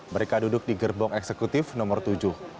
mereka duduk di gerbong eksekutif nomor tujuh